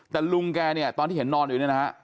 แต่ลุงแกเนี่ยตอนที่เห็นนอนอยู่เนี่ยนะฮะ